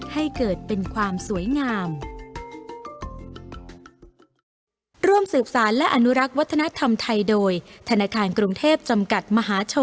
ให้เกิดเป็นความสวยงาม